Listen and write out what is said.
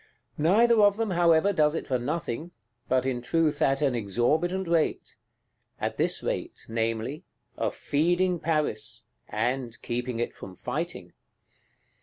Neither of them, however, does it for nothing; but, in truth, at an exorbitant rate. At this rate, namely: of feeding Paris, and keeping it from fighting.